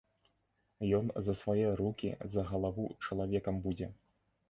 Ён за свае рукі, за галаву чалавекам будзе.